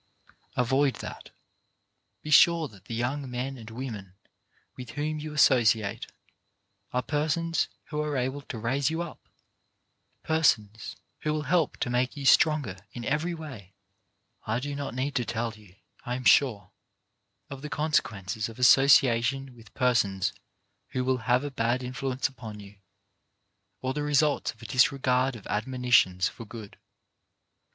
Avoid that. Be sure that the young men and women with whom you associate are persons who are able to raise you up, persons who will help to make you stronger in every way. WHAT WOULD PARENTS SAY 227 I do not need to tell you, I am sure, of the con sequences of association with persons who will have a bad influence upon you, or the results of a disregard of admonitions for good.